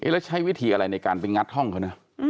แล้วใช้วิธีอะไรในการไปงัดห้องเขานะ